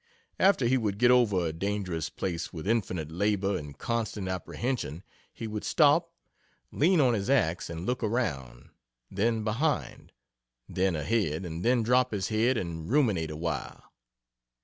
After he would get over a dangerous place, with infinite labor and constant apprehension, he would stop, lean on his axe, and look around, then behind, then ahead, and then drop his head and ruminate awhile.